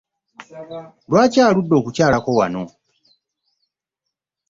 Lwaki aludde okukyalako wano?